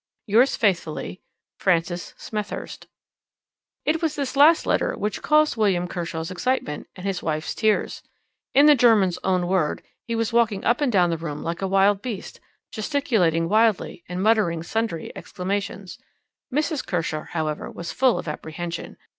'Yours faithfully, 'Francis Smethurst.' "It was this last letter which had caused William Kershaw's excitement and his wife's tears. In the German's own words, he was walking up and down the room like a wild beast, gesticulating wildly, and muttering sundry exclamations. Mrs. Kershaw, however, was full of apprehension.